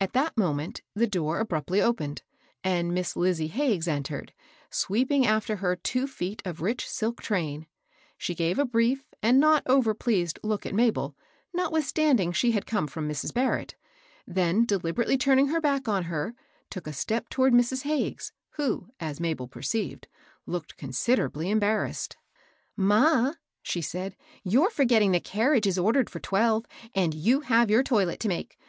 At that moment, the door abruptly opened, and Miss Lizie Hagges entered, sweeping after her two feet of rich silk train. She gave a brief and not over pleaded look at Mabel, notwithstanding she had come from Mrs. BarreU^ \\vew ^^^et^v^^ "toLTT^L ARISTOGBACY. 815 ing her back on her, took a step toward Mrs. Hagges, who, as Mabel perceived, looked consider ably embarrassed. Ma 1 " she said, " you're forgetting the car riage is ordered for twelve, and you have your toilet to make.